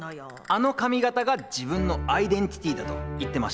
あの髪形が自分のアイデンティティだと言ってました。